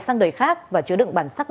sang đời khác và chứa đựng bản sắc